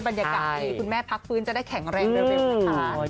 บรรยากาศดีคุณแม่พักฟื้นจะได้แข็งแรงเร็วนะคะ